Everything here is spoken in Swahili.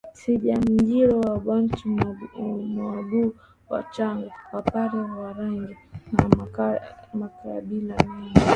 Simanjiro Wabantu Wanguu Wachagga Wapare Warangi na makabila mengine